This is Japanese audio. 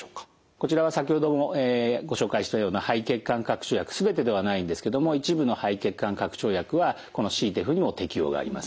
こちらは先ほどもご紹介したような肺血管拡張薬全てではないんですけども一部の肺血管拡張薬はこのＣＴＥＰＨにも適用があります。